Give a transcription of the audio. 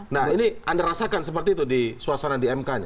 nah ini anda rasakan seperti itu di suasana di mk nya